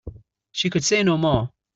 She could say no more.